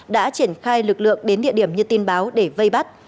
đã triển khai lực lượng đến địa điểm như tin báo để vây bắt